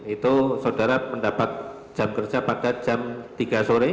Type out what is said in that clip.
itu saudara mendapat jam kerja pada jam tiga sore